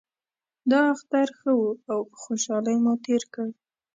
دا اختر ښه و او په خوشحالۍ مو تیر کړ